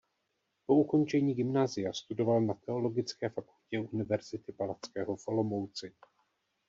Po ukončení gymnázia studoval na teologické fakultě Univerzity Palackého v Olomouci.